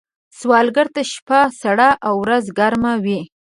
سوالګر ته شپه سړه او ورځ ګرمه وي